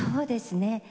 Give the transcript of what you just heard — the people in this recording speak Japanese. そうですね。